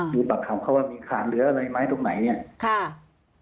ดูปากคำเขาว่ามีขาดเหลืออะไรไหมตรงไหนเนี่ยค่ะ